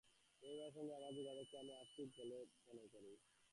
এই বিভাগের সঙ্গে আমার যোগাযোগকে আমি আত্মিক বলে মনে করি।